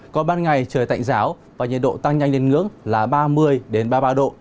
có ban ngày trời tạnh ráo và nhiệt độ tăng nhanh lên ngưỡng là ba mươi đến ba mươi ba độ